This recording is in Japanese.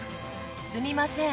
すみません。